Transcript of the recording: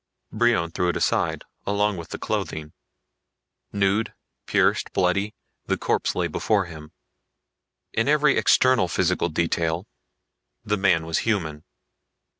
Brion threw it aside, along with the clothing. Nude, pierced, bloody, the corpse lay before him. In every external physical detail the man was human.